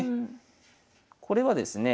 これはですね